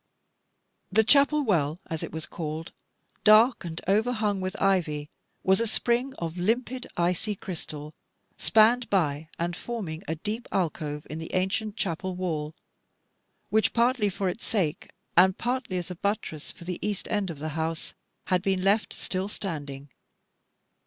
The chapel well, as it was called, dark and overhung with ivy, was a spring of limpid icy crystal, spanned by and forming a deep alcove in the ancient chapel wall, which, partly for its sake, and partly as a buttress for the east end of the house, had been left still standing.